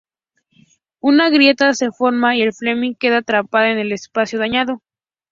Una grieta se forma, y la "Fleming" queda atrapada en el espacio dañado.